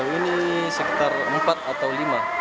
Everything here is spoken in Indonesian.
ini sekitar empat atau lima